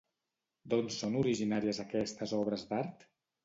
D'on són originàries aquestes obres d'art?